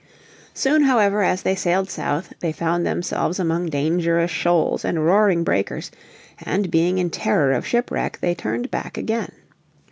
Soon however as they sailed south they found themselves among dangerous shoals and roaring breakers, and, being in terror of shipwreck, they turned back again.